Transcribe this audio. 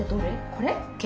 これ？